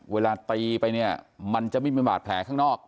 เวลาตีไปเนี่ยมันจะไม่มีบาดแผลข้างนอก